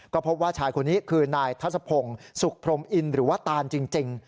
ก็พบว่าชายคนนี้คือนายทัศพงศ์สุขพรมอินหรือว่าตานจริง